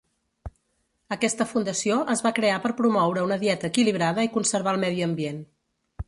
Aquesta fundació es va crear per promoure una dieta equilibrada i conservar el medi ambient.